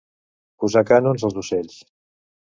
Posar canons als ocells.